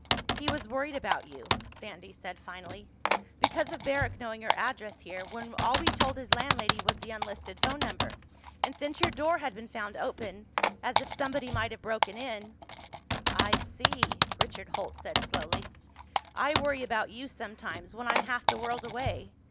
"He was worried about you," Sandy said finally. "Because of Barrack knowing your address here, when all we'd told his landlady was the unlisted phone number. And since your door had been found open—as if somebody might have broken in—" "I see," Richard Holt said slowly. "I worry about you sometimes, when I'm half the world away.